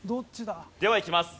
ではいきます。